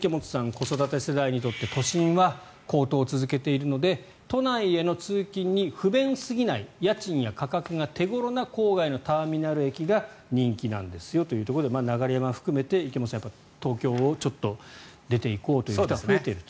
子育て世代にとって都心は高騰を続けているので都内への通勤に不便過ぎない家賃や価格が手頃な郊外のターミナル駅が人気なんですよというところで流山を含めて東京を出ていこうという人が増えていると。